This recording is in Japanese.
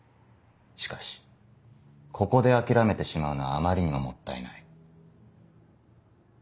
しかしここで諦めてしまうのはあまりにももったいない。